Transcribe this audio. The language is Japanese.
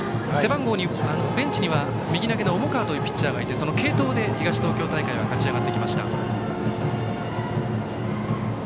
ベンチには右投げの重川というピッチャーがいてその継投で東東京大会は勝ち上がってきました。